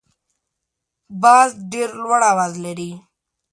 باز ډیر لوړ اواز لري